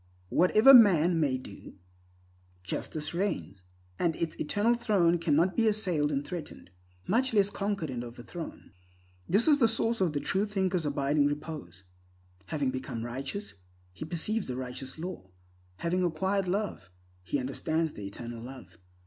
Whatever man may do, justice reigns, and its eternal throne cannot be assailed and threatened, much less conquered and overthrown. This is the source of the true thinker's abiding repose. Having become righteous, he perceives the righteous law. Having acquired Love, he understands the Eternal Love.